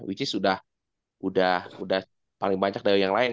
which is sudah paling banyak dari yang lain